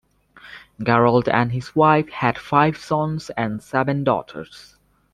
Garrard and his wife had five sons and seven daughters.